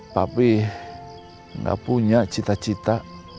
papi gak punya cita cita